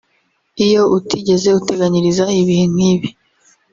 Iyo utigeze uteganyiriza ibihe nk’ibi